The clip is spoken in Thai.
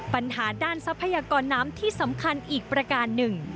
ปัญหาด้านทรัพยากรน้ำที่สำคัญอีกประการหนึ่ง